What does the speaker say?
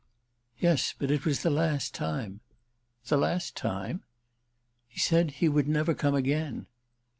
"Yes; but it was the last time." "The last time?" "He said he would never come again."